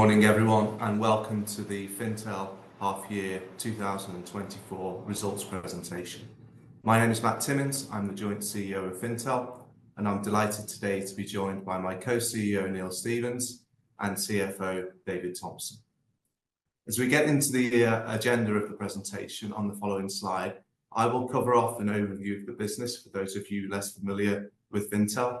Good morning, everyone, and welcome to the Fintel Half Year 2024 Results Presentation. My name is Matt Timmins. I'm the joint CEO of Fintel, and I'm delighted today to be joined by my co-CEO, Neil Stevens, and CFO, David Thompson. As we get into the agenda of the presentation on the following slide, I will cover off an overview of the business for those of you less familiar with Fintel.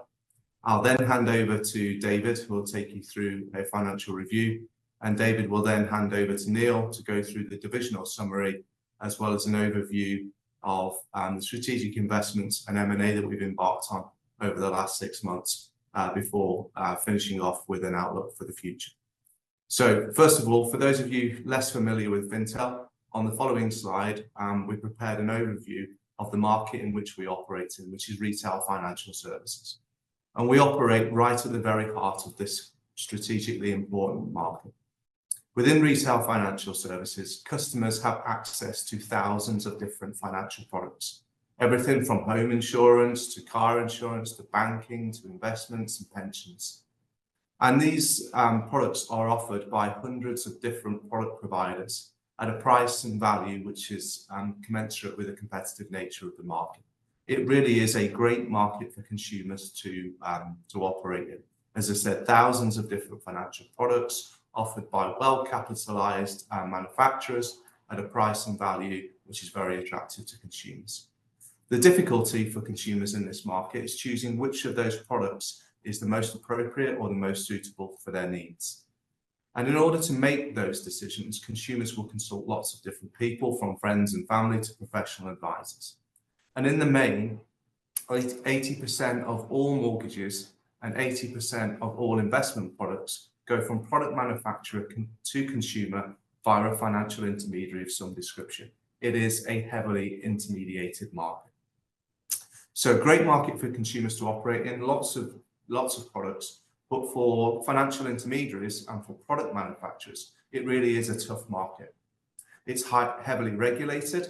I'll then hand over to David, who will take you through a financial review, and David will then hand over to Neil to go through the divisional summary. As well as an overview of the strategic investments and M&A that we've embarked on over the last six months before finishing off with an outlook for the future. First of all, for those of you less familiar with Fintel, on the following slide, we prepared an overview of the market in which we operate in, which is retail financial services. We operate right at the very heart of this strategically important market. Within retail financial services, customers have access to thousands of different financial products, everything from home insurance to car insurance, to banking, to investments and pensions. These products are offered by hundreds of different product providers at a price and value which is commensurate with the competitive nature of the market. It really is a great market for consumers to operate in. As I said, thousands of different financial products offered by well-capitalized manufacturers at a price and value, which is very attractive to consumers. The difficulty for consumers in this market is choosing which of those products is the most appropriate or the most suitable for their needs. And in order to make those decisions, consumers will consult lots of different people, from friends and family to professional advisors. And in the main, 80% of all mortgages and 80% of all investment products go from product manufacturer to consumer via a financial intermediary of some description. It is a heavily intermediated market. So a great market for consumers to operate in, lots of products, but for financial intermediaries and for product manufacturers, it really is a tough market. It's heavily regulated,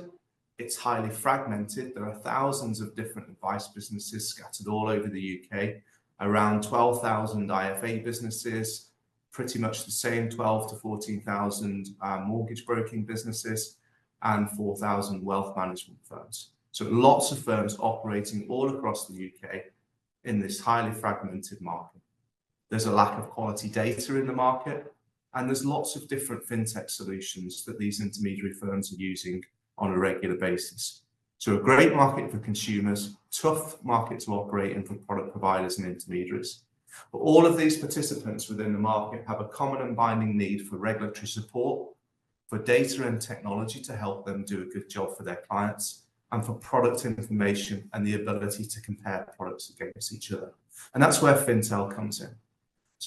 it's highly fragmented, there are thousands of different advice businesses scattered all over the U.K. Around 12 thousand IFA businesses, pretty much the same 12 to 14 thousand, mortgage broking businesses, and 4 thousand wealth management firms. Lots of firms operating all across the UK in this highly fragmented market. There's a lack of quality data in the market, and there's lots of different fintech solutions that these intermediary firms are using on a regular basis. It's a great market for consumers, tough market to operate in for product providers and intermediaries. All of these participants within the market have a common and binding need for regulatory support, for data and technology to help them do a good job for their clients, and for product information and the ability to compare products against each other. That's where Fintel comes in.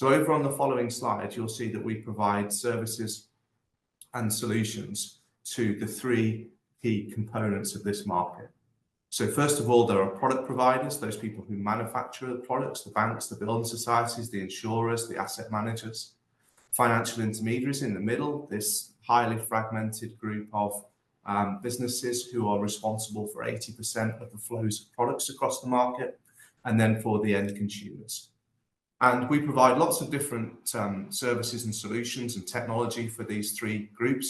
Over on the following slide, you'll see that we provide services and solutions to the three key components of this market. First of all, there are product providers, those people who manufacture the products, the banks, the building societies, the insurers, the asset managers. Financial intermediaries in the middle, this highly fragmented group of businesses who are responsible for 80% of the flows of products across the market, and then for the end consumers. We provide lots of different services and solutions and technology for these three groups.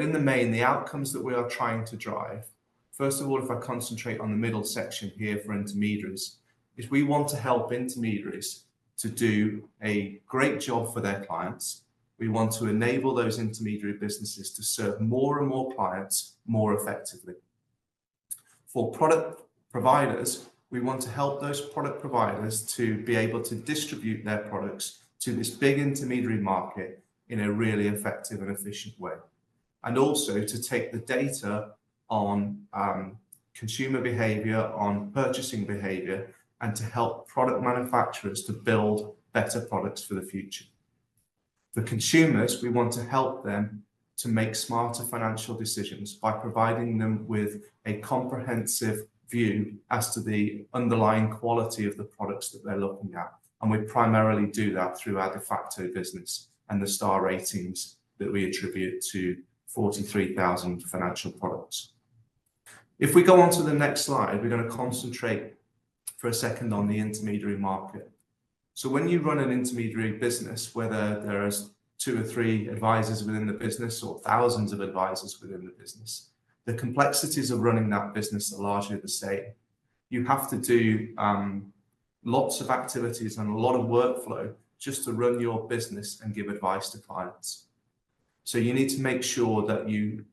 In the main, the outcomes that we are trying to drive, first of all, if I concentrate on the middle section here for intermediaries, is we want to help intermediaries to do a great job for their clients. We want to enable those intermediary businesses to serve more and more clients more effectively. For product providers, we want to help those product providers to be able to distribute their products to this big intermediary market in a really effective and efficient way. And also to take the data on, consumer behavior, on purchasing behavior, and to help product manufacturers to build better products for the future. For consumers, we want to help them to make smarter financial decisions by providing them with a comprehensive view as to the underlying quality of the products that they're looking at. And we primarily do that through our Defaqto business and the star ratings that we attribute to 43,000 financial products. If we go on to the next slide, we're gonna concentrate for a second on the intermediary market. So when you run an intermediary business, whether there is two or three advisors within the business or thousands of advisors within the business, the complexities of running that business are largely the same. You have to do lots of activities and a lot of workflow just to run your business and give advice to clients. So you need to make sure that you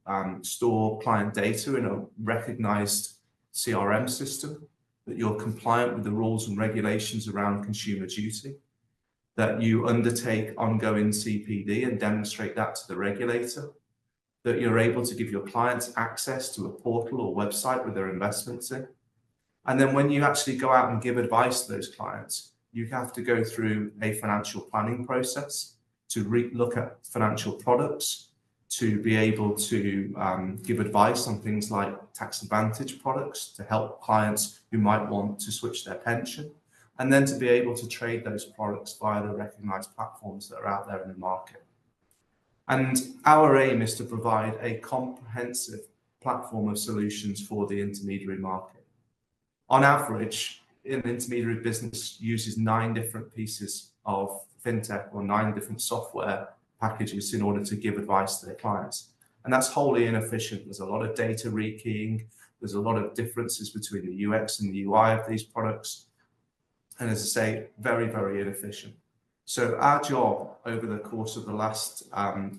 store client data in a recognized CRM system, that you're compliant with the rules and regulations around Consumer Duty. That you undertake ongoing CPD and demonstrate that to the regulator, that you're able to give your clients access to a portal or website with their investments in. And then when you actually go out and give advice to those clients, you have to go through a financial planning process to look at financial products, to be able to give advice on things like tax advantage products, to help clients who might want to switch their pension. And then to be able to trade those products via the recognized platforms that are out there in the market, and our aim is to provide a comprehensive platform of solutions for the intermediary market. On average, an intermediary business uses nine different pieces of fintech or nine different software packages in order to give advice to their clients, and that's wholly inefficient. There's a lot of data rekeying, there's a lot of differences between the UX and the UI of these products, and as I say, very, very inefficient. So our job over the course of the last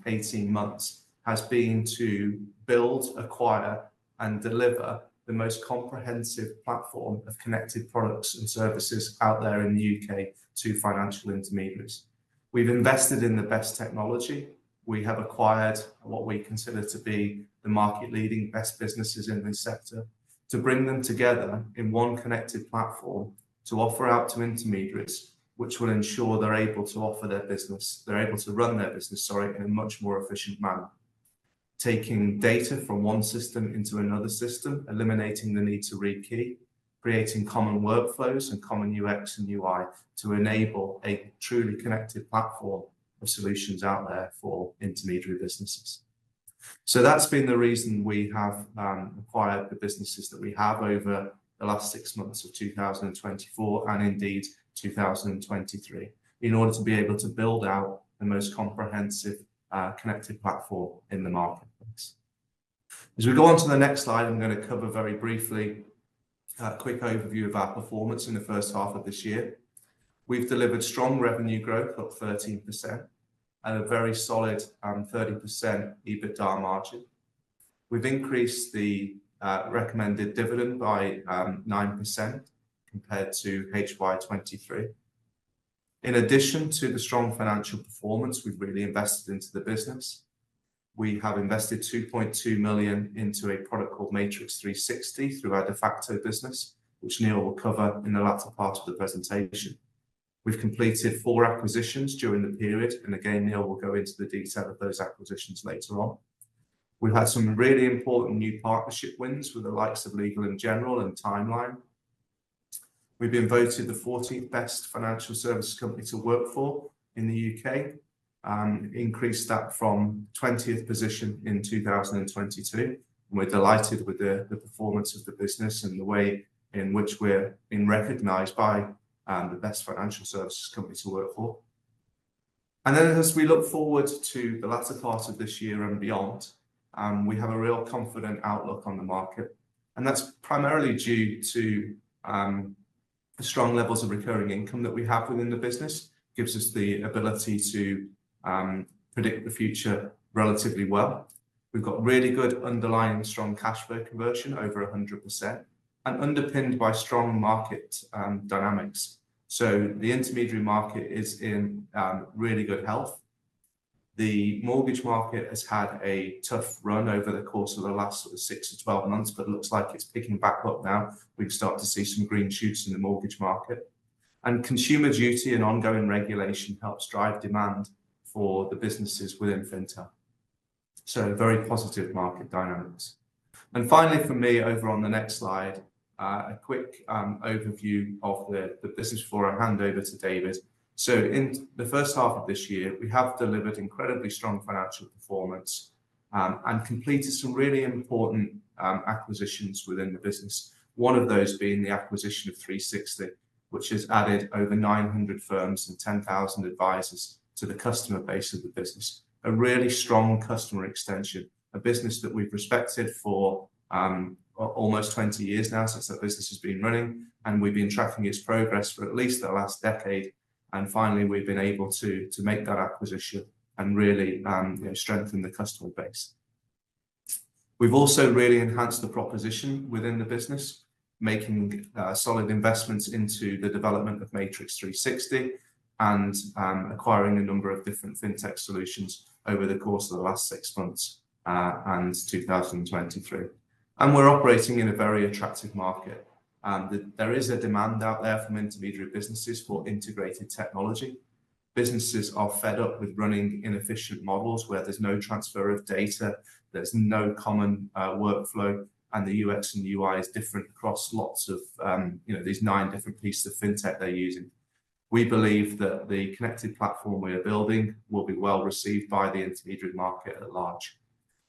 eighteen months has been to build, acquire, and deliver the most comprehensive platform of connected products and services out there in the UK to financial intermediaries. We've invested in the best technology. We have acquired what we consider to be the market-leading, best businesses in this sector, to bring them together in one connected platform to offer out to intermediaries, which will ensure they're able to run their business, sorry, in a much more efficient manner. Taking data from one system into another system, eliminating the need to rekey, creating common workflows and common UX and UI to enable a truly connected platform of solutions out there for intermediary businesses. So that's been the reason we have acquired the businesses that we have over the last six months of 2024, and indeed 2023, in order to be able to build out the most comprehensive connected platform in the marketplace. As we go on to the next slide, I'm gonna cover very briefly a quick overview of our performance in the first half of this year. We've delivered strong revenue growth, up 13%, and a very solid 30% EBITDA margin. We've increased the recommended dividend by 9% compared to HY 2023. In addition to the strong financial performance, we've really invested into the business. We have invested 2.2 million into a product called Matrix 360 through our Defaqto business, which Neil will cover in the latter part of the presentation. We've completed four acquisitions during the period, and again, Neil will go into the detail of those acquisitions later on. We've had some really important new partnership wins with the likes of Legal & General and Timeline. We've been voted the fourteenth Best Financial Services Company to Work For in the U.K., increased that from twentieth position in 2022. We're delighted with the performance of the business and the way in which we're being recognized by the Best Financial Services Company to Work For. And then as we look forward to the latter part of this year and beyond, we have a real confident outlook on the market, and that's primarily due to the strong levels of recurring income that we have within the business. Gives us the ability to predict the future relatively well. We've got really good underlying strong cash flow conversion, over 100%, and underpinned by strong market dynamics. So the intermediary market is in really good health. The mortgage market has had a tough run over the course of the last sort of six to 12 months, but looks like it's picking back up now. We've started to see some green shoots in the mortgage market. And Consumer Duty and ongoing regulation helps drive demand for the businesses within fintech. So very positive market dynamics. And finally, for me, over on the next slide, a quick overview of the business before I hand over to David. So in the first half of this year, we have delivered incredibly strong financial performance, and completed some really important acquisitions within the business. One of those being the acquisition of threesixty, which has added over nine hundred firms and 10,000 advisors to the customer base of the business. A really strong customer extension, a business that we've respected for almost 20 years now, since the business has been running, and we've been tracking its progress for at least the last decade, and finally we've been able to make that acquisition and really, you know, strengthen the customer base. We've also really enhanced the proposition within the business, making solid investments into the development of Matrix 360 and acquiring a number of different fintech solutions over the course of the last six months and 2023, and we're operating in a very attractive market, and there is a demand out there from intermediary businesses for integrated technology. Businesses are fed up with running inefficient models where there's no transfer of data, there's no common workflow, and the UX and UI is different across lots of these nine different pieces of fintech they're using. We believe that the connected platform we are building will be well-received by the intermediary market at large.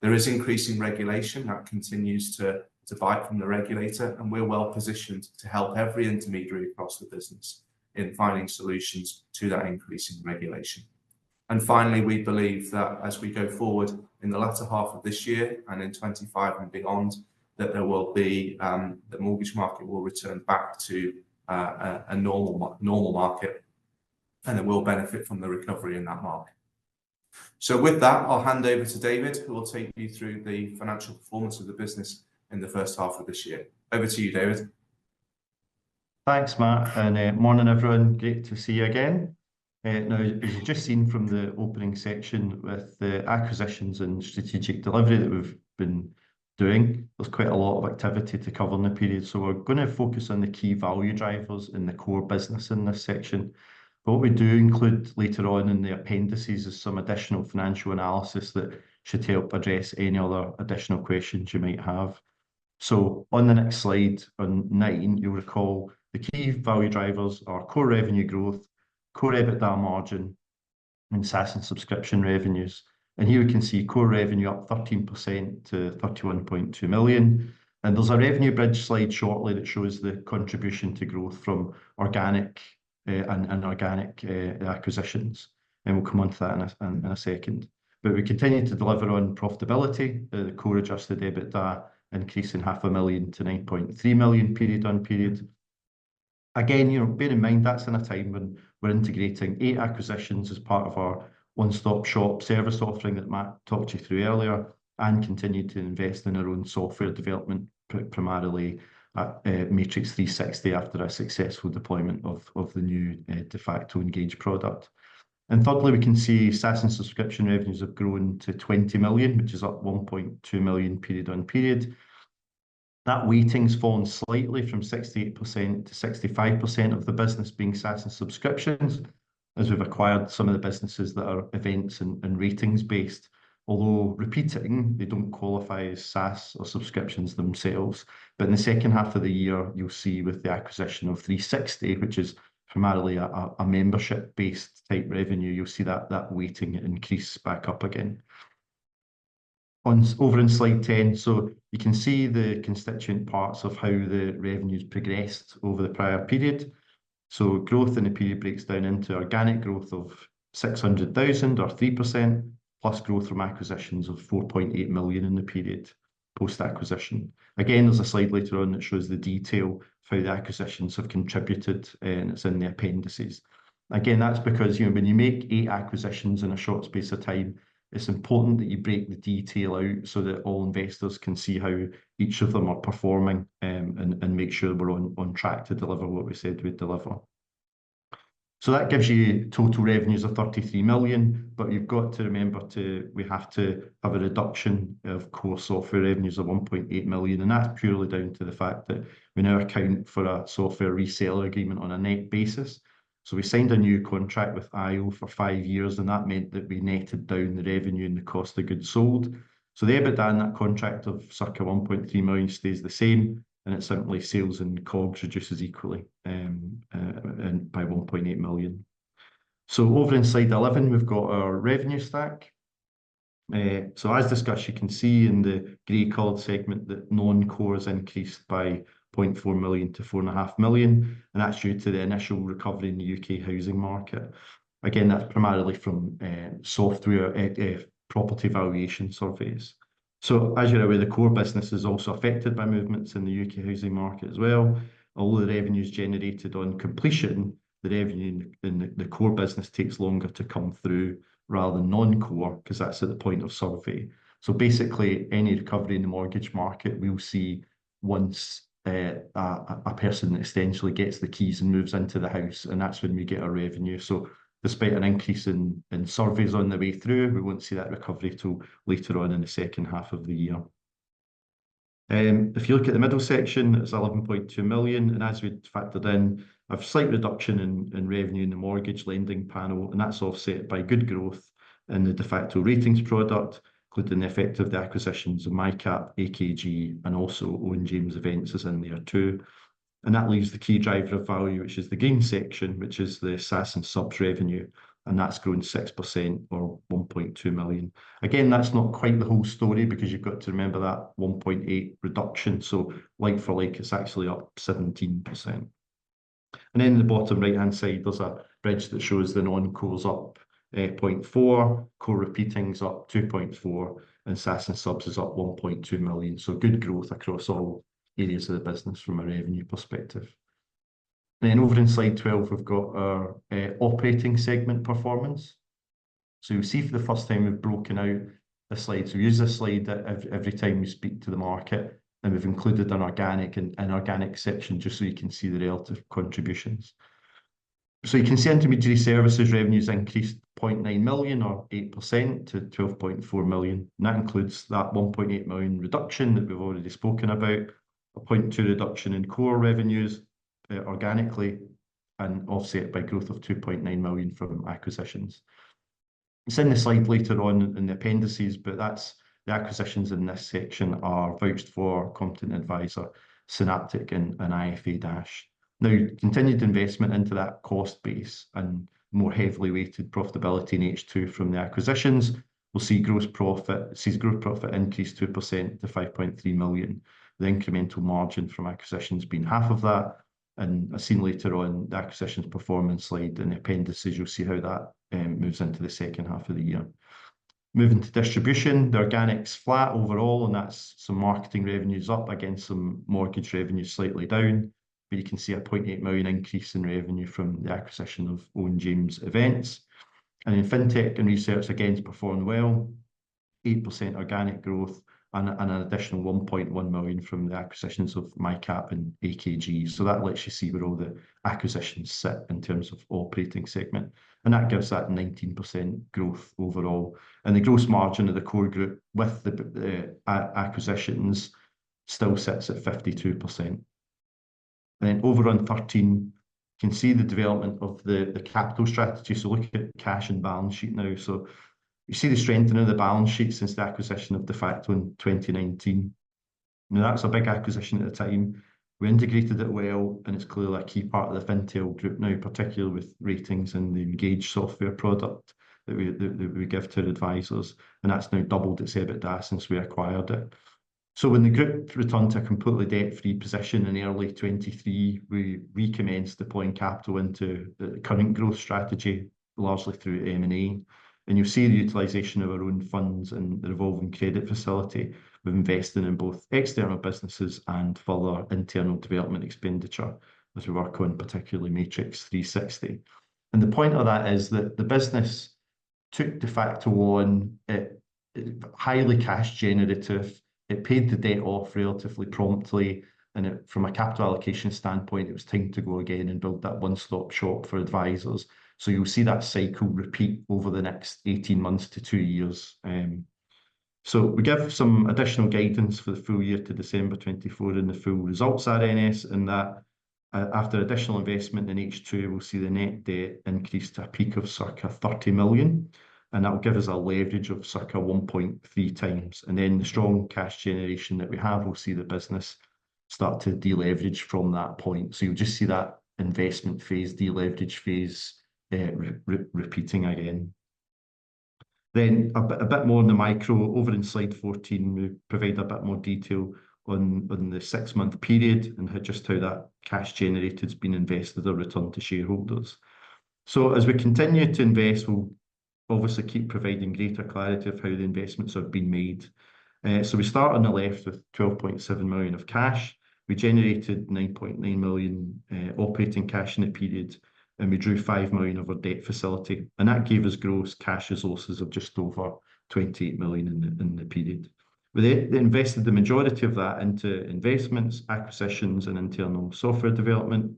There is increasing regulation that continues to bite from the regulator, and we're well positioned to help every intermediary across the business in finding solutions to that increasing regulation. Finally, we believe that as we go forward in the latter half of this year and in 2025 and beyond, that there will be the mortgage market will return back to a normal market, and it will benefit from the recovery in that market. So with that, I'll hand over to David, who will take you through the financial performance of the business in the first half of this year. Over to you, David. Thanks, Matt, and morning, everyone. Great to see you again. Now, as you've just seen from the opening section with the acquisitions and strategic delivery that we've been doing, there's quite a lot of activity to cover in the period. We're gonna focus on the key value drivers in the core business in this section. But what we do include later on in the appendices is some additional financial analysis that should help address any other additional questions you might have. On the next slide, on 19, you'll recall the key value drivers are core revenue growth, core EBITDA margin, and SaaS and subscription revenues. Here we can see core revenue up 13% to 31.2 million. There's a revenue bridge slide shortly that shows the contribution to growth from organic and acquisitions, and we'll come onto that in a second. We continue to deliver on profitability, the core adjusted EBITDA increase of 0.5 million to 9.3 million period on period. Again, you know, bear in mind, that's in a time when we're integrating eight acquisitions as part of our one-stop shop service offering that Matt talked you through earlier, and continued to invest in our own software development, primarily at Matrix 360 after a successful deployment of the new Defaqto Engage product. Thirdly, we can see SaaS and subscription revenues have grown to 20 million, which is up 1.2 million period on period. That weighting's fallen slightly from 68% to 65% of the business being SaaS and subscriptions, as we've acquired some of the businesses that are events and ratings-based. Although recurring, they don't qualify as SaaS or subscriptions themselves. But in the second half of the year, you'll see with the acquisition of threesixty, which is primarily a membership-based type revenue, you'll see that weighting increase back up again. Over in slide 10, so you can see the constituent parts of how the revenues progressed over the prior period. So growth in the period breaks down into organic growth of 600,000 or 3%, plus growth from acquisitions of 4.8 million in the period, post-acquisition. Again, there's a slide later on that shows the detail for how the acquisitions have contributed, and it's in the appendices. Again, that's because, you know, when you make eight acquisitions in a short space of time, it's important that you break the detail out so that all investors can see how each of them are performing, and make sure we're on track to deliver what we said we'd deliver. So that gives you total revenues of 33 million, but you've got to remember, too, we have to have a reduction of core software revenues of 1.8 million, and that's purely down to the fact that we now account for a software reseller agreement on a net basis. So we signed a new contract with iO for five years, and that meant that we netted down the revenue and the cost of goods sold. So the EBITDA in that contract of circa 1.3 million stays the same, and it's simply sales and COGS reduces equally, and by 1.8 million. So over in slide 11, we've got our revenue stack. So as discussed, you can see in the gray-colored segment that non-core has increased by 0.4 million to 4.5 million, and that's due to the initial recovery in the U.K. housing market. Again, that's primarily from software property valuation surveys. So as you're aware, the core business is also affected by movements in the U.K. housing market as well. Although the revenue is generated on completion, the revenue in the core business takes longer to come through rather than non-core, 'cause that's at the point of survey. Basically, any recovery in the mortgage market, we'll see once a person essentially gets the keys and moves into the house, and that's when we get our revenue. Despite an increase in surveys on the way through, we won't see that recovery till later on in the second half of the year. If you look at the middle section, it's 11.2 million, and as we'd factored in, a slight reduction in revenue in the mortgage lending panel, and that's offset by good growth in the Defaqto ratings product, including the effect of the acquisitions of MICAP, AKG, and also Owen James Events is in there, too. That leaves the key driver of value, which is the green section, which is the SaaS and subs revenue, and that's grown 6% or 1.2 million. Again, that's not quite the whole story because you've got to remember that 1.8 million reduction, so like for like, it's actually up 17%. And then in the bottom right-hand side, there's a bridge that shows the non-cores up 0.4 million, core recurring's up 2.4 million, and SaaS and subs is up 1.2 million. So good growth across all areas of the business from a revenue perspective. Then over in slide 12, we've got our operating segment performance. So you'll see for the first time, we've broken out the slide. So we use this slide every time we speak to the market, and we've included an organic and inorganic section just so you can see the relative contributions. So you can see Intermediary Services revenues increased 0.9 million, or 8% to 12.4 million. That includes that 1.8 million reduction that we've already spoken about, a 0.2 reduction in core revenues, organically, and offset by growth of 2.9 million from acquisitions. It's in the slide later on in the appendices, but that's the acquisitions in this section are VouchedFor, Competent Adviser, Synaptic and F&TRC. Now, continued investment into that cost base and more heavily weighted profitability in H2 from the acquisitions, sees gross profit increase 2% to 5.3 million. The incremental margin from acquisitions being half of that, and as seen later on, the acquisitions performance slide in the appendices, you'll see how that moves into the second half of the year. Moving to Distribution, the organic's flat overall, and that's some marketing revenues up against some mortgage revenues slightly down, but you can see a 0.8 million increase in revenue from the acquisition of Owen James Events. And in Fintech and Research, again, it's performed well, 8% organic growth and an additional 1.1 million from the acquisitions of MICAP and AKG. So that lets you see where all the acquisitions sit in terms of operating segment, and that gives that 19% growth overall. And the gross margin of the core group with the acquisitions still sits at 52%.... And then over on 13, you can see the development of the capital strategy. So look at cash and balance sheet now. So you see the strengthening of the balance sheet since the acquisition of Defaqto in 2019. Now, that was a big acquisition at the time. We integrated it well, and it's clearly a key part of the Fintel group now, particularly with ratings and the Engage software product that we give to the advisors, and that's now doubled its EBITDA since we acquired it. So when the group returned to a completely debt-free position in early 2023, we recommenced deploying capital into the current growth strategy, largely through M&A. And you'll see the utilization of our own funds and the revolving credit facility. We've invested in both external businesses and further internal development expenditure as we work on, particularly Matrix 360. And the point of that is that the business took Defaqto on, highly cash generative. It paid the debt off relatively promptly, and it, from a capital allocation standpoint, it was time to go again and build that one-stop shop for advisors. So you'll see that cycle repeat over the next eighteen months to two years. So we gave some additional guidance for the full year to December 2024 in the full results at RNS, and that, after additional investment in H2, we'll see the net debt increase to a peak of circa 30 million, and that will give us a leverage of circa one point three times. And then the strong cash generation that we have, we'll see the business start to deleverage from that point. So you'll just see that investment phase, deleverage phase, repeating again. Then a bit more on the micro. Over in slide 14, we provide a bit more detail on the six-month period and just how that cash generated has been invested or returned to shareholders. So as we continue to invest, we'll obviously keep providing greater clarity of how the investments have been made. So we start on the left with 12.7 million of cash. We generated 9.9 million operating cash in the period, and we drew 5 million of our debt facility, and that gave us gross cash resources of just over 28 million in the period. We then invested the majority of that into investments, acquisitions, and internal software development,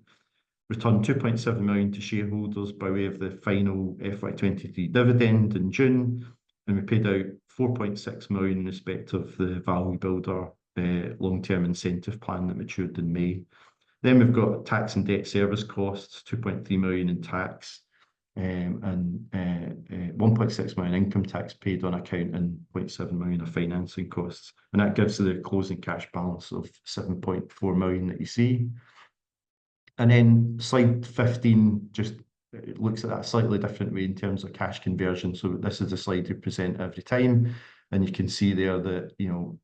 returned 2.7 million to shareholders by way of the final FY 2023 dividend in June, and we paid out 4.6 million in respect of the Value Builder long-term incentive plan that matured in May. Then we've got tax and debt service costs, 2.3 million in tax, and one point six million income tax paid on account and 0.7 million of financing costs, and that gives you the closing cash balance of 7.4 million that you see. Slide 15 just looks at that a slightly different way in terms of cash conversion. So this is a slide we present every time, and you can see there that, you know,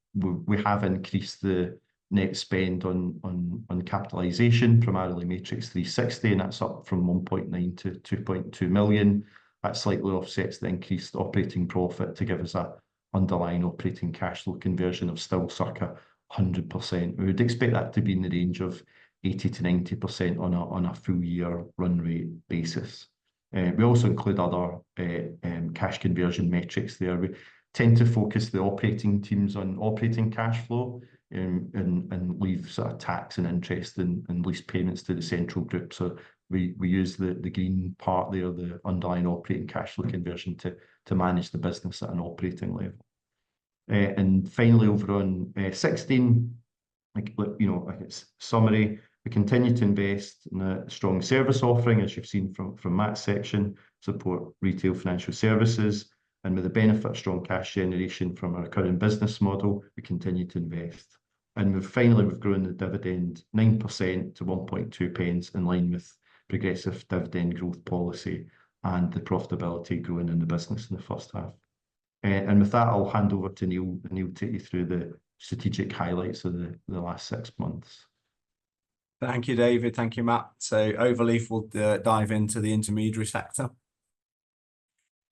we have increased the net spend on capitalization from our early Matrix 360, and that's up from 1.9 million to 2.2 million. That slightly offsets the increased operating profit to give us that underlying operating cash flow conversion of still circa 100%. We would expect that to be in the range of 80%-90% on a full year run rate basis. We also include other cash conversion metrics there. We tend to focus the operating teams on operating cash flow, and leave sort of tax and interest and lease payments to the central group. So we use the green part there, the underlying operating cash flow conversion to manage the business at an operating level. And finally, over on sixteen, like, you know, like it's summary, we continue to invest in a strong service offering, as you've seen from Matt's section, support retail financial services, and with the benefit of strong cash generation from our current business model, we continue to invest. And we've finally grown the dividend 9% to 0.012 in line with progressive dividend growth policy and the profitability growing in the business in the first half. And with that, I'll hand over to Neil, and Neil will take you through the strategic highlights of the last six months. Thank you, David. Thank you, Matt. So overleaf, we'll dive into the intermediary sector.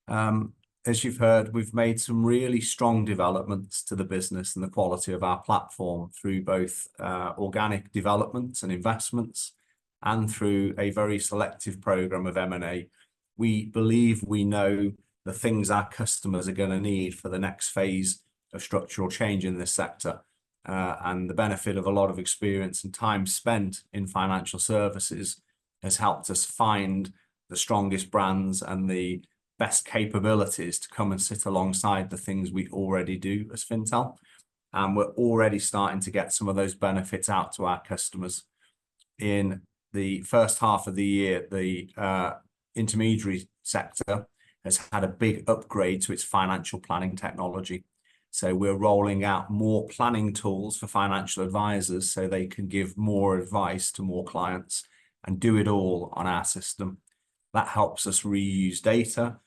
As you've heard, we've made some really strong developments to the business and the quality of our platform through both organic developments and investments and through a very selective program of M&A. We believe we know the things our customers are gonna need for the next phase of structural change in this sector, and the benefit of a lot of experience and time spent in financial services has helped us find the strongest brands and the best capabilities to come and sit alongside the things we already do as Fintel. And we're already starting to get some of those benefits out to our customers. In the first half of the year, the intermediary sector has had a big upgrade to its financial planning technology. So we're rolling out more planning tools for financial advisors so they can give more advice to more clients and do it all on our system. That helps us reuse data,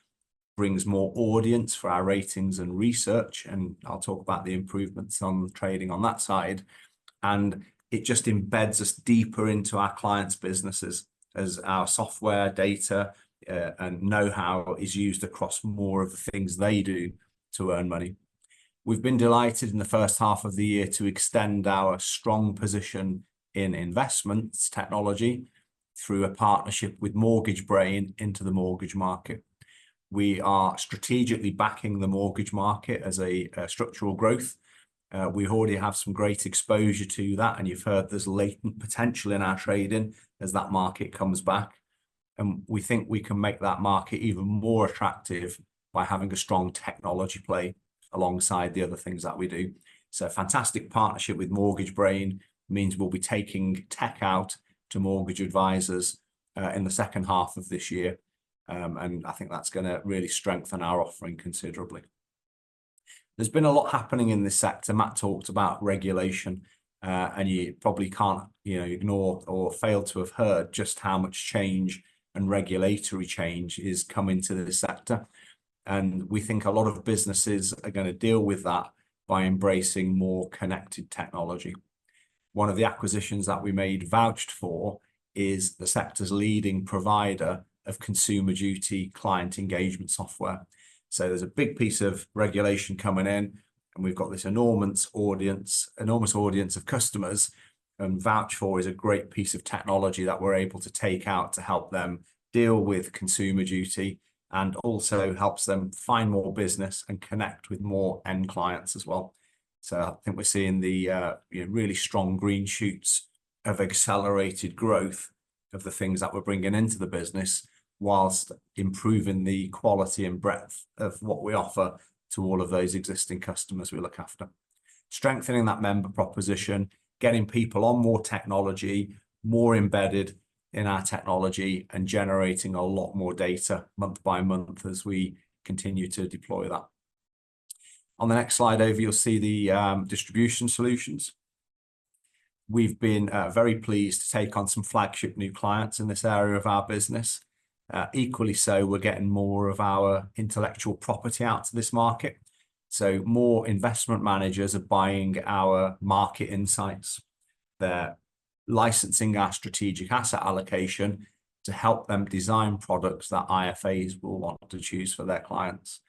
brings more audience for our ratings and research, and I'll talk about the improvements on the trading on that side. And it just embeds us deeper into our clients' businesses as our software, data, and know-how is used across more of the things they do to earn money. We've been delighted in the first half of the year to extend our strong position in investments technology through a partnership with Mortgage Brain into the mortgage market. We are strategically backing the mortgage market as a structural growth. We already have some great exposure to that, and you've heard there's latent potential in our trading as that market comes back... And we think we can make that market even more attractive by having a strong technology play alongside the other things that we do. So fantastic partnership with Mortgage Brain means we'll be taking tech out to mortgage advisors in the second half of this year. And I think that's gonna really strengthen our offering considerably. There's been a lot happening in this sector. Matt talked about regulation, and you probably can't, you know, ignore or fail to have heard just how much change and regulatory change is coming to the sector, and we think a lot of businesses are gonna deal with that by embracing more connected technology. One of the acquisitions that we made, VouchedFor, is the sector's leading provider of Consumer Duty client engagement software. So there's a big piece of regulation coming in, and we've got this enormous audience of customers, and VouchedFor is a great piece of technology that we're able to take out to help them deal with Consumer Duty and also helps them find more business and connect with more end clients as well. So I think we're seeing the, you know, really strong green shoots of accelerated growth of the things that we're bringing into the business, while improving the quality and breadth of what we offer to all of those existing customers we look after. Strengthening that member proposition, getting people on more technology, more embedded in our technology, and generating a lot more data month by month as we continue to deploy that. On the next slide over, you'll see the distribution solutions. We've been very pleased to take on some flagship new clients in this area of our business. Equally so, we're getting more of our intellectual property out to this market, so more investment managers are buying our market insights. They're licensing our strategic asset allocation to help them design products that IFAs will want to choose for their clients.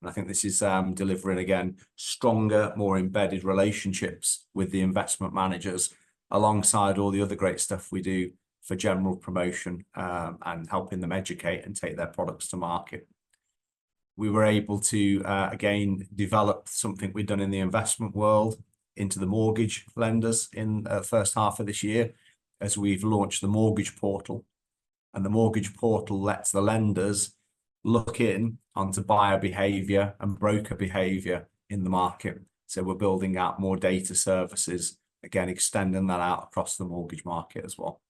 And I think this is delivering, again, stronger, more embedded relationships with the investment managers, alongside all the other great stuff we do for general promotion and helping them educate and take their products to market. We were able to again develop something we'd done in the investment world into the mortgage lenders in first half of this year, as we've launched the Mortgage Portal. And the Mortgage Portal lets the lenders look in onto buyer behavior and broker behavior in the market. We're building out more data services, again, extending that out across the mortgage market as well.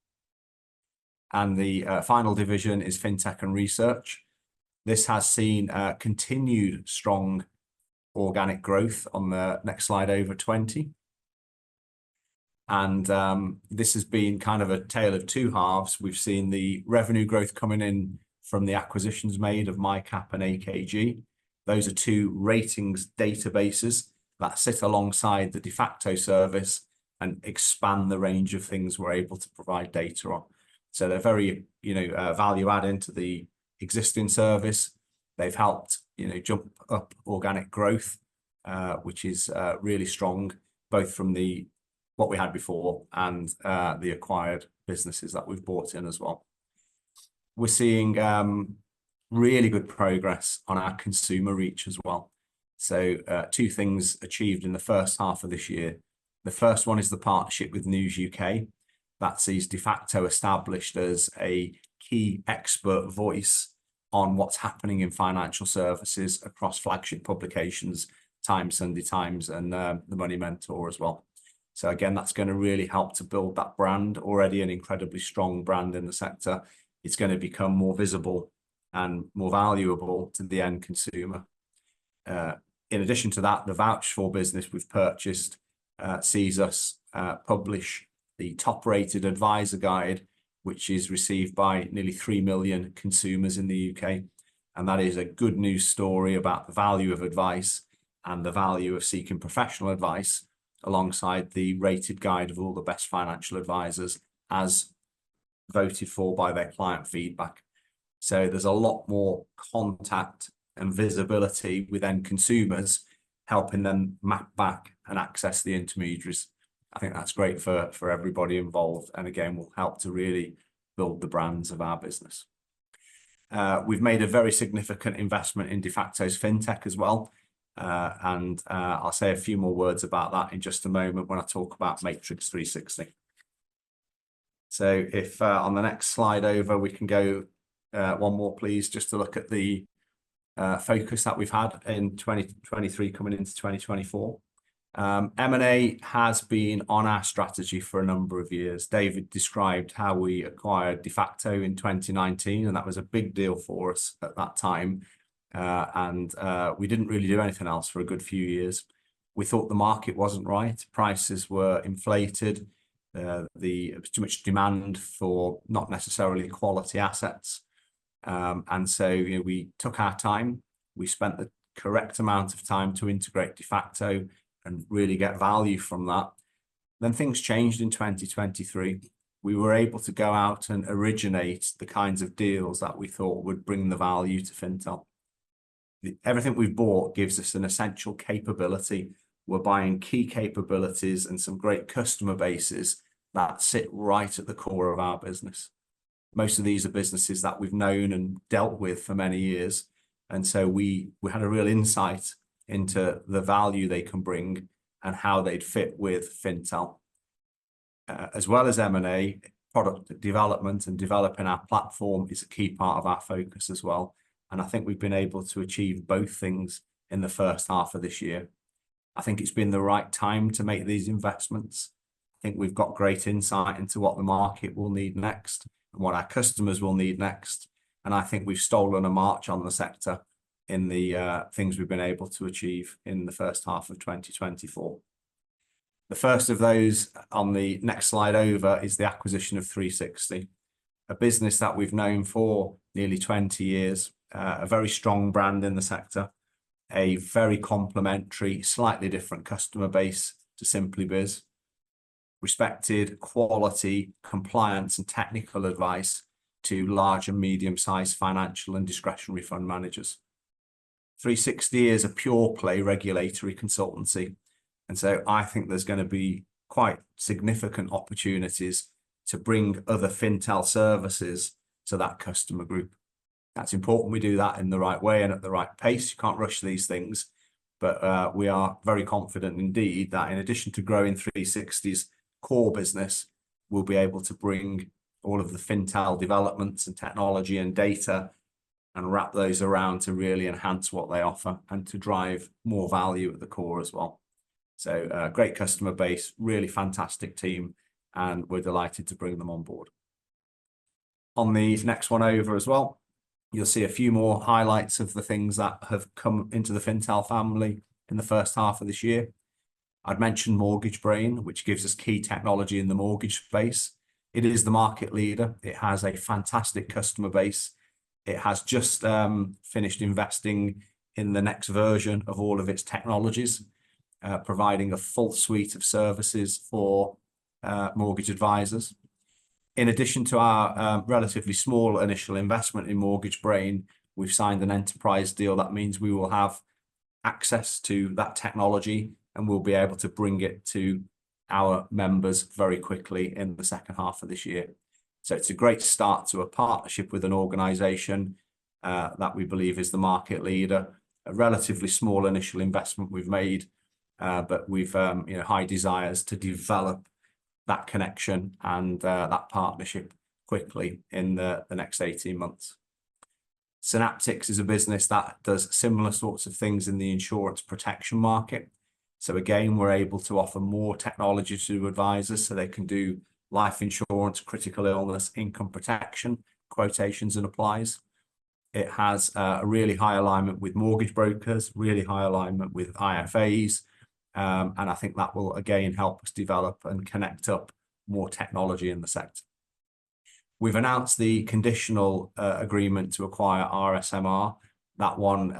The final division is Fintech and Research. This has seen continued strong organic growth, on the next slide over, 20. This has been kind of a tale of two halves. We've seen the revenue growth coming in from the acquisitions made of MICAP and AKG. Those are two ratings databases that sit alongside the Defaqto service and expand the range of things we're able to provide data on. They're very, you know, value add into the existing service. They've helped, you know, jump up organic growth, which is really strong, both from what we had before and the acquired businesses that we've bought in as well. We're seeing really good progress on our consumer reach as well. So, two things achieved in the first half of this year. The first one is the partnership with News UK. That sees Defaqto established as a key expert voice on what's happening in financial services across flagship publications, Times, Sunday Times, and the Money Mentor as well. So again, that's gonna really help to build that brand. Already an incredibly strong brand in the sector, it's gonna become more visible and more valuable to the end consumer. In addition to that, the VouchedFor business we've purchased sees us publish the Top Rated Adviser Guide, which is received by nearly three million consumers in the UK, and that is a good news story about the value of advice and the value of seeking professional advice alongside the rated guide of all the best financial advisors, as voted for by their client feedback. So there's a lot more contact and visibility with end consumers, helping them map back and access the intermediaries. I think that's great for everybody involved, and again, will help to really build the brands of our business. We've made a very significant investment in Defaqto's Fintech as well. And, I'll say a few more words about that in just a moment when I talk about Matrix 360. So if, on the next slide over, we can go, one more, please, just to look at the focus that we've had in 2023 coming into 2024. M&A has been on our strategy for a number of years. David described how we acquired Defaqto in 2019, and that was a big deal for us at that time. We didn't really do anything else for a good few years. We thought the market wasn't right. Prices were inflated. Too much demand for not necessarily quality assets. And so, you know, we took our time. We spent the correct amount of time to integrate Defaqto and really get value from that. Then things changed in 2023. We were able to go out and originate the kinds of deals that we thought would bring the value to Fintel. Everything we've bought gives us an essential capability. We're buying key capabilities and some great customer bases that sit right at the core of our business. Most of these are businesses that we've known and dealt with for many years, and so we had a real insight into the value they can bring and how they'd fit with Fintel. As well as M&A, product development and developing our platform is a key part of our focus as well, and I think we've been able to achieve both things in the first half of this year. I think it's been the right time to make these investments. I think we've got great insight into what the market will need next and what our customers will need next, and I think we've stolen a march on the sector in the things we've been able to achieve in the first half of twenty twenty-four. The first of those on the next slide over is the acquisition of threesixty, a business that we've known for nearly twenty years. A very strong brand in the sector, a very complementary, slightly different customer base to SimplyBiz. Respected quality, compliance, and technical advice to large and medium-sized financial and discretionary fund managers. Threesixty is a pure-play regulatory consultancy, and so I think there's gonna be quite significant opportunities to bring other Fintel services to that customer group. That's important we do that in the right way and at the right pace. You can't rush these things, but we are very confident indeed that in addition to growing threesixty's core business, we'll be able to bring all of the Fintel developments and technology and data and wrap those around to really enhance what they offer and to drive more value at the core as well. So, a great customer base, really fantastic team, and we're delighted to bring them on board. On the next one over as well, you'll see a few more highlights of the things that have come into the Fintel family in the first half of this year. I'd mention Mortgage Brain, which gives us key technology in the mortgage space. It is the market leader. It has a fantastic customer base. It has just finished investing in the next version of all of its technologies, providing a full suite of services for mortgage advisors. In addition to our relatively small initial investment in Mortgage Brain, we've signed an enterprise deal. That means we will have access to that technology, and we'll be able to bring it to our members very quickly in the second half of this year. So it's a great start to a partnership with an organization that we believe is the market leader. A relatively small initial investment we've made, but we've you know high desires to develop that connection and that partnership quickly in the next eighteen months. Synaptic is a business that does similar sorts of things in the insurance protection market. So again, we're able to offer more technology to advisors so they can do life insurance, critical illness, income protection, quotations, and applies. It has a really high alignment with mortgage brokers, really high alignment with IFAs, and I think that will again help us develop and connect up more technology in the sector. We've announced the conditional agreement to acquire RSMR. That one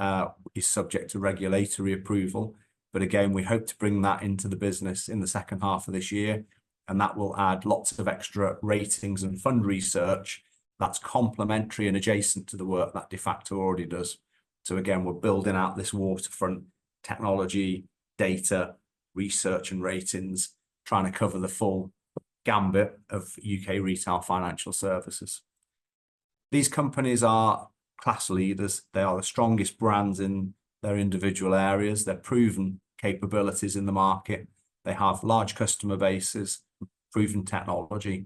is subject to regulatory approval, but again, we hope to bring that into the business in the second half of this year, and that will add lots of extra ratings and fund research that's complementary and adjacent to the work that Defaqto already does. So again, we're building out this waterfront technology, data, research, and ratings, trying to cover the full gamut of U.K. retail financial services. These companies are class leaders. They are the strongest brands in their individual areas. They're proven capabilities in the market. They have large customer bases, proven technology,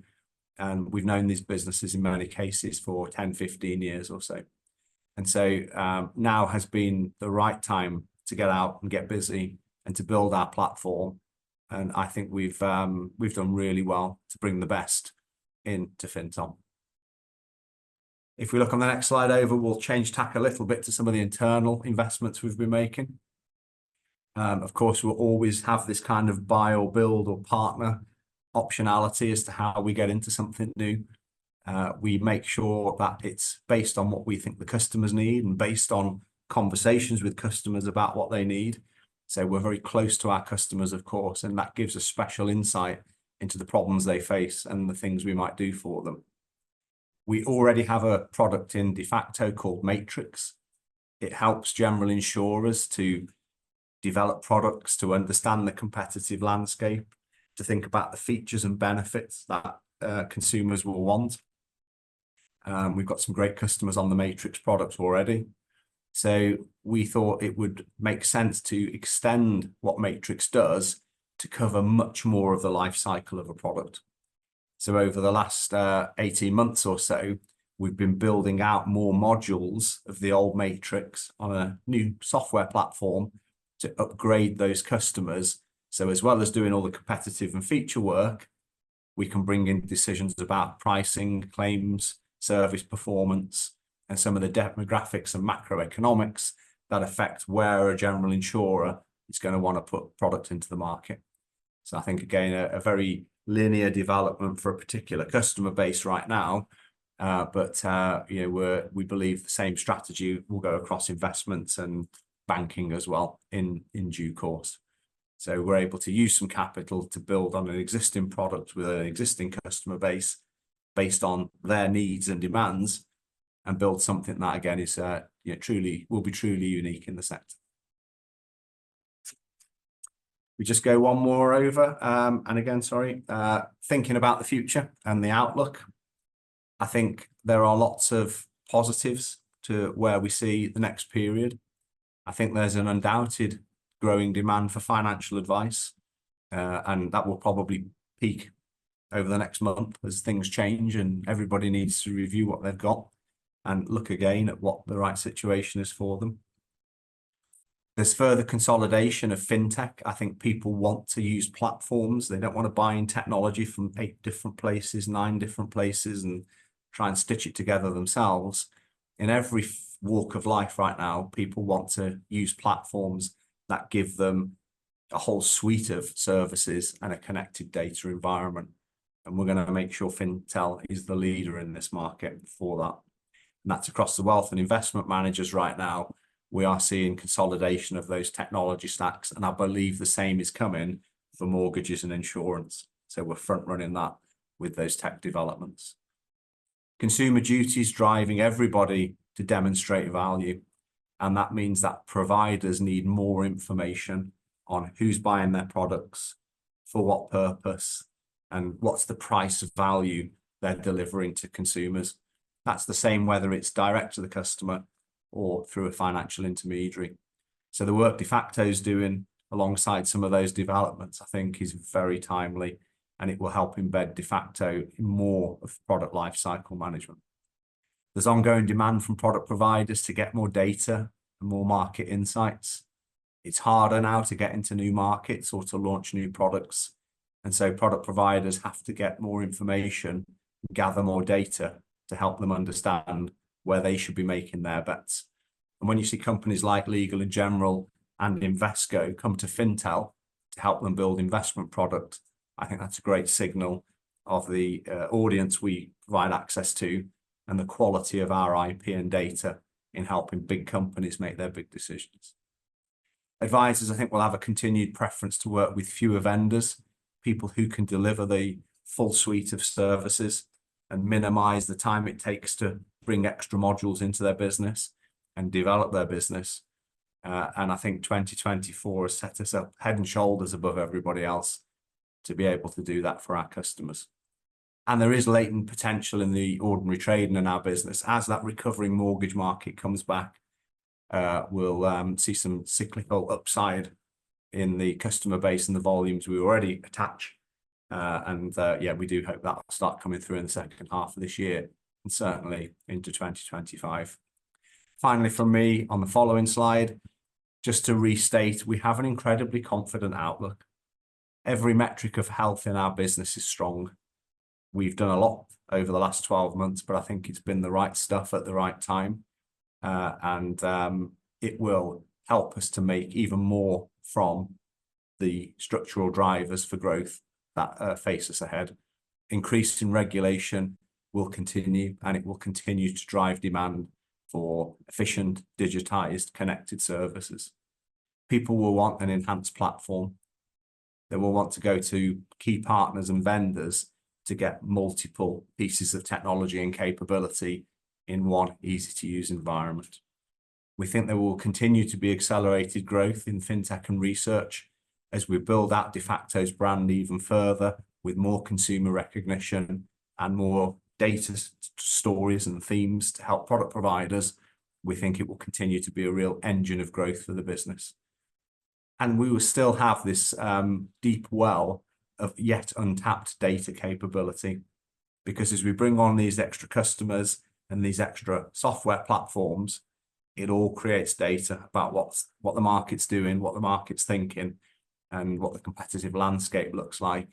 and we've known these businesses in many cases for 10, 15 years or so. And so, now has been the right time to get out and get busy and to build our platform, and I think we've done really well to bring the best into Fintel. If we look on the next slide over, we'll change tack a little bit to some of the internal investments we've been making. Of course, we'll always have this kind of buy or build or partner optionality as to how we get into something new. We make sure that it's based on what we think the customers need and based on conversations with customers about what they need. So we're very close to our customers, of course, and that gives us special insight into the problems they face and the things we might do for them. We already have a product in Defaqto called Matrix. It helps general insurers to develop products, to understand the competitive landscape, to think about the features and benefits that consumers will want. We've got some great customers on the Matrix products already, so we thought it would make sense to extend what Matrix does to cover much more of the life cycle of a product. So over the last eighteen months or so, we've been building out more modules of the old Matrix on a new software platform to upgrade those customers. So as well as doing all the competitive and feature work, we can bring in decisions about pricing, claims, service, performance, and some of the demographics and macroeconomics that affect where a general insurer is gonna wanna put product into the market. So I think, again, a very linear development for a particular customer base right now, but you know, we believe the same strategy will go across investments and banking as well in due course. So we're able to use some capital to build on an existing product with an existing customer base based on their needs and demands, and build something that again is, you know, will be truly unique in the sector. We just go one more over, and again, sorry, thinking about the future and the outlook. I think there are lots of positives to where we see the next period. I think there's an undoubted growing demand for financial advice, and that will probably peak over the next month as things change and everybody needs to review what they've got and look again at what the right situation is for them. There's further consolidation of fintech. I think people want to use platforms. They don't wanna buy in technology from eight different places, nine different places, and try and stitch it together themselves. In every walk of life right now, people want to use platforms that give them a whole suite of services and a connected data environment, and we're gonna make sure Fintel is the leader in this market for that. And that's across the wealth and investment managers right now. We are seeing consolidation of those technology stacks, and I believe the same is coming for mortgages and insurance. So we're front-running that with those tech developments. Consumer Duty's driving everybody to demonstrate value, and that means that providers need more information on who's buying their products, for what purpose, and what's the price of value they're delivering to consumers. That's the same whether it's direct to the customer or through a financial intermediary. So the work Defaqto's doing alongside some of those developments, I think, is very timely, and it will help embed Defaqto in more of product lifecycle management. There's ongoing demand from product providers to get more data and more market insights. It's harder now to get into new markets or to launch new products, and so product providers have to get more information, gather more data, to help them understand where they should be making their bets. And when you see companies like Legal & General and Invesco come to Fintel to help them build investment product, I think that's a great signal of the audience we provide access to and the quality of our IP and data in helping big companies make their big decisions. Advisors, I think, will have a continued preference to work with fewer vendors, people who can deliver the full suite of services and minimize the time it takes to bring extra modules into their business and develop their business. And I think 2024 has set us up head and shoulders above everybody else to be able to do that for our customers. There is latent potential in the ordinary trading in our business. As that recovering mortgage market comes back, we'll see some cyclical upside in the customer base and the volumes we already attach. Yeah, we do hope that'll start coming through in the second half of this year and certainly into twenty twenty-five. Finally, from me, on the following slide, just to restate, we have an incredibly confident outlook. Every metric of health in our business is strong. We've done a lot over the last twelve months, but I think it's been the right stuff at the right time. It will help us to make even more from the structural drivers for growth that face us ahead. Increasing regulation will continue, and it will continue to drive demand for efficient, digitized, connected services. People will want an enhanced platform. They will want to go to key partners and vendors to get multiple pieces of technology and capability in one easy-to-use environment. We think there will continue to be accelerated growth in Fintech and Research as we build out Defaqto's brand even further with more consumer recognition and more data stories and themes to help product providers. We think it will continue to be a real engine of growth for the business. And we will still have this deep well of yet untapped data capability because as we bring on these extra customers and these extra software platforms, it all creates data about what the market's doing, what the market's thinking, and what the competitive landscape looks like,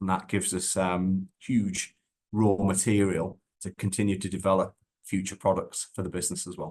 and that gives us huge raw material to continue to develop future products for the business as well.